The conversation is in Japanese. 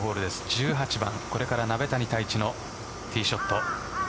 １８番、これから鍋谷太一のティーショット。